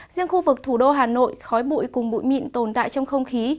riêng khu vực thủ đô hà nội khói bụi cùng bụi mịn tồn tại trong không khí